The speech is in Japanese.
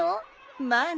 まあね。